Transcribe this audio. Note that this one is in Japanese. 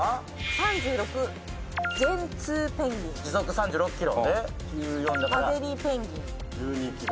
３６ジェンツーペンギン時速３６ｋｍで１４だからアデリーペンギン１２ｋｍ